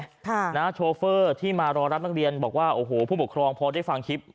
ค่ะนะโชเฟอร์ที่มารอรับนักเรียนบอกว่าโอ้โหผู้ปกครองพอได้ฟังคลิป